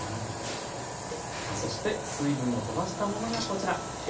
さあそして水分をとばしたものがこちら。